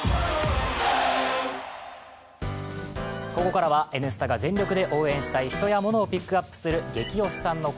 ここからは「Ｎスタ」が全力で応援したい人や物をピックアップする「ゲキ推しさん」。